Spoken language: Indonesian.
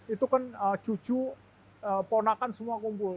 itu kan cucu ponakan semua kumpul